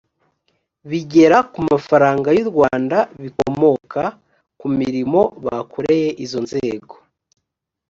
bigera ku mafaranga y u rwanda bikomoka ku mirimo bakoreye izo nzego